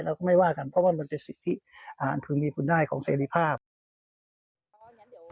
เราก็ไม่ว่ากันเพราะว่ามันเป็นสิทธิอาหารถึงมีคุณได้ของเศรษฐภาพ